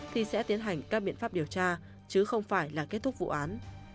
thì sẽ tiến hành các biện pháp điều tra chứ không phải là kết thúc vụ án